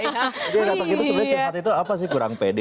dia datang gitu sebenarnya cepat itu apa sih kurang pede